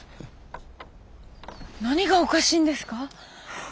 何がおかしいんですか？